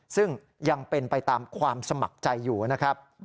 ซึ่งยังเป็นไปตามความสมัครใจอยู่นะครับ